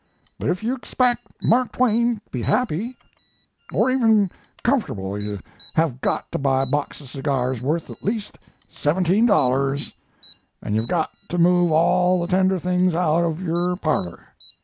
But if yu expeckt Mark Twain to be happy, or even kumfortable yu hav got to buy a box of cigars worth at least seventeen dollars and yu hav got to move all the tender things out ov yure parlor.